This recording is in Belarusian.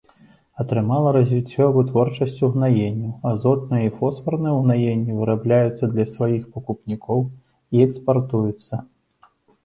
Атрымала развіццё вытворчасць угнаенняў, азотныя і фосфарныя ўгнаенні вырабляюцца для сваіх пакупнікоў і экспартуюцца.